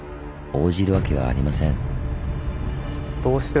応じるわけはありません。